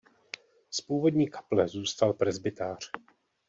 Z původní kaple zůstal presbytář.